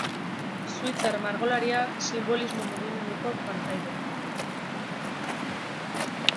Suitzar margolaria, sinbolismo mugimenduko partaidea.